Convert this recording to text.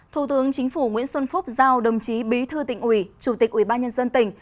thủ tướng chính phủ nguyễn xuân phúc giao đồng chí bí thư tỉnh ủy chủ tịch ủy ban nhân dân tỉnh